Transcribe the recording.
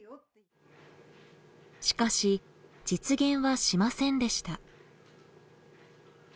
しかし実現はしませんでした。